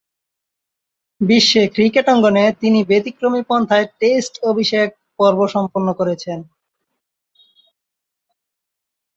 বিশ্ব ক্রিকেট অঙ্গনে তিনি ব্যতিক্রমী পন্থায় টেস্ট অভিষেক পর্ব সম্পন্ন করেছেন।